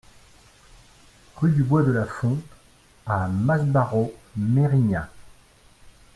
Rue du Bois de la Font à Masbaraud-Mérignat